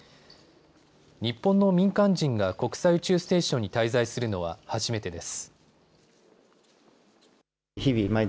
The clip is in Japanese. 日本の民間人が国際宇宙ステーションに滞在するのは初めてです。